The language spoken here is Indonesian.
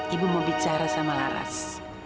ibu mau bicara sama laras